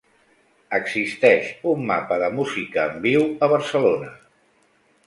Existeix un mapa de música en viu a Barcelona.